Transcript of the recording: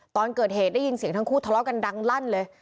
ตอนเกิดเหตุได้ยินเสียงทั้งคู่ทะเลาะกันดังลั่นเลย